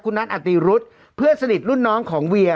คุณนัทอติรุธเพื่อนสนิทรุ่นน้องของเวีย